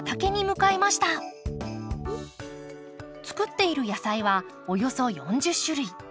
作っている野菜はおよそ４０種類。